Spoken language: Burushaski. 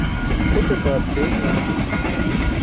Pʰute paadśey juwan.